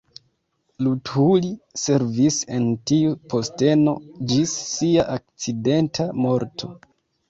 Luthuli servis en tiu posteno ĝis sia akcidenta morto.